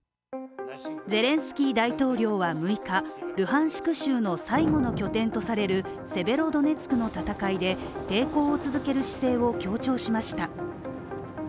ゼレンスキー大統領は６日、ルハンシク州の最後の拠点とされるセベロドネツクの戦いで抵抗を続ける姿勢を強調しました。